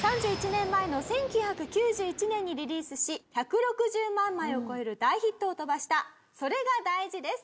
３１年前の１９９１年にリリースし１６０万枚を超える大ヒットを飛ばした『それが大事』です。